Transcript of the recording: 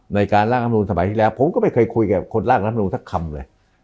ในการลากรัฐมนูญสมัยที่แล้วผมก็ไม่เคยคุยกับคนลากรัฐมนูญซักคำเลย